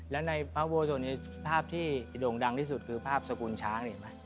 และในพระพระโบสถภาพที่ดงดังที่สุดคือภาพสกุลช้าง